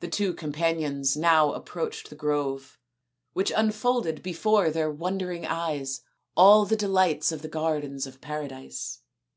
The two companions now approached the grove, which unfolded before their wondering eyes all the delights of the gardens of Paradise.